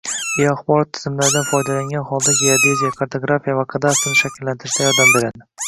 Geoaxborot tizimlaridan foydalangan holda geodeziya, kartografiya va kadastrni shakllantirishda yordam beradi.